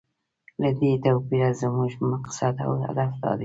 له دې توپیره زموږ مقصد او هدف دا دی.